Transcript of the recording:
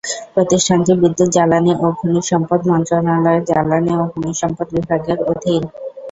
প্রতিষ্ঠানটি বিদ্যুৎ জ্বালানি ও খনিজ সম্পদ মন্ত্রণালয়ের জ্বালানি ও খনিজ সম্পদ বিভাগের অধীন।